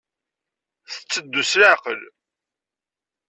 Tetteddu s leɛqel.